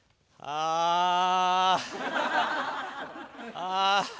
ああ。